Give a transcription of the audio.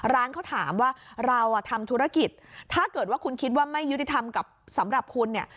ร้านเขาถามว่าเราทำธุรกิจถ้าเกิดว่าคุณคิดว่าไม่ยุติธรรมกับสำหรับคุณเนี่ย